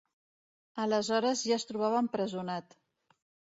Aleshores ja es trobava empresonat.